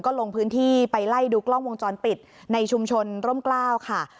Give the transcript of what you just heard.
ก็ลงพื้นที่ไปไล่ดูกล้องวงจรปิดในชุมชนร่มกล้าวค่ะ